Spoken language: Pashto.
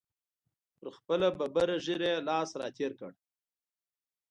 پر خپله ببره ږیره یې لاس را تېر کړ.